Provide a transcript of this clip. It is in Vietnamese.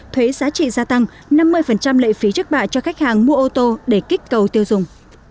thuế giá trị gia tăng năm mươi lệ phí trước bạ cho khách hàng mua ô tô để kích cầu tiêu dùng